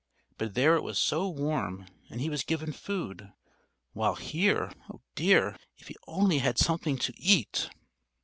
But there it was so warm and he was given food, while here oh, dear, if he only had something to eat!